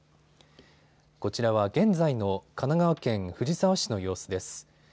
こちらは現在の神奈川県藤沢市の様子です。